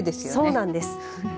そうなんです。